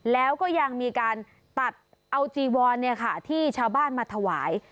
แล้วก็ยังมีการตัดเอาจีวอนที่ชาวบ้านมาถวาย